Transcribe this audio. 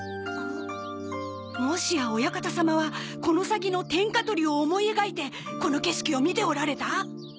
もしやお館様はこの先の天下取りを思い描いてこの景色を見ておられた？